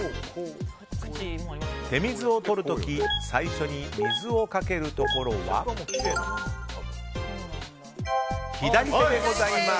手水を取るとき最初に水をかけるところは左手でございます。